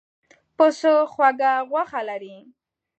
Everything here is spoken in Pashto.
پسه خوږه غوښه لري.